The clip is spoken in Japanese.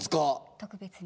特別に。